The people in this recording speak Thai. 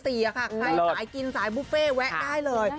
ใครสายกินสายบุฟเฟ่แวะได้เลย